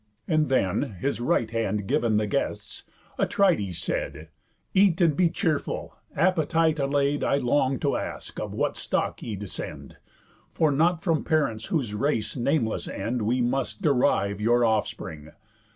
And then, His right hand giv'n the guests, Atrides said: "Eat, and be cheerful. Appetite allay'd, I long to ask, of what stock ye descend; For not from parents whose race nameless end We must derive your offspring.